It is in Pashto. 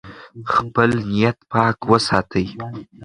خپل نیت پاک وساتئ.